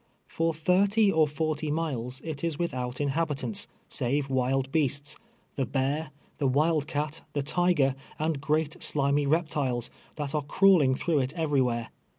For thirty or forty miles it is without inhabitants, save wild beasts — the bear, the wild cat, the tiger, and great slimy rej^tiles, that are crawling through it everywhere.